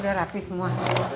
udah rapih semua